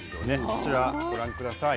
こちらご覧下さい。